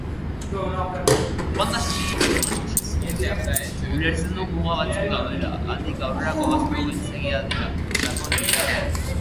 Ulertzen du muga batzuk daudela, handik aurrera kobazuloa beltzegia dela, sakonegia.